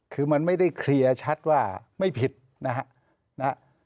คือมันไม่ได้เคลียร์ชัดว่าไม่ผิดนะฮะ